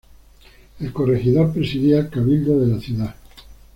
El corregidor presidía el cabildo de la ciudad.